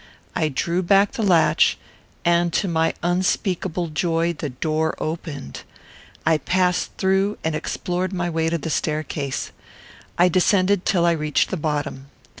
I drew back the latch, and, to my unspeakable joy, the door opened. I passed through and explored my way to the staircase. I descended till I reached the bottom.